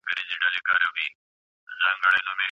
شنه بوټي د خلکو د تفریح ځایونه برابر کړي.